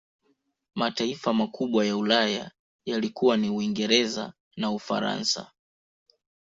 Mataifa makubwa ya Ulaya yalikuwa ni Uingereza na Ufaransa